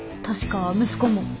確か息子も。